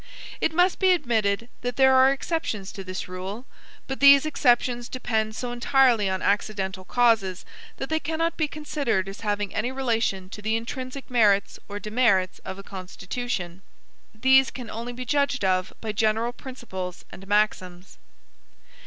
It must be admitted that there are exceptions to this rule; but these exceptions depend so entirely on accidental causes, that they cannot be considered as having any relation to the intrinsic merits or demerits of a constitution. These can only be judged of by general principles and maxims.